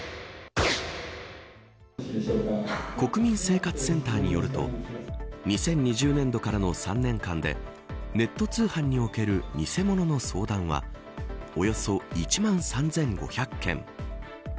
国民生活センターによると２０２０年度からの３年間でネット通販における偽物の相談はおよそ１万３５００件。